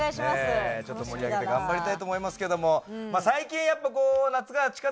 ちょっと盛り上げて頑張りたいと思いますけども。